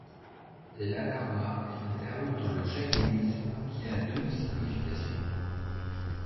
L'Adharma est un terme dans le jaïnisme qui a deux significations.